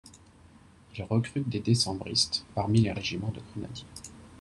Il recrute des décembristes parmi les régiments de grenadiers.